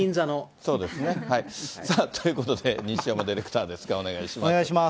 そうですね。さあ、ということで、西山ディレクターです、おお願いします。